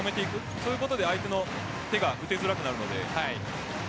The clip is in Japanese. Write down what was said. そういうことで、相手の手が打ちづらくなるので。